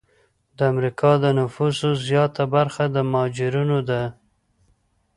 د امریکا د نفوسو زیاته برخه د مهاجرینو ده.